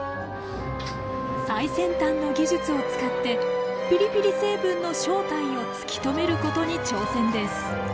最先端の技術を使ってピリピリ成分の正体を突き止めることに挑戦です。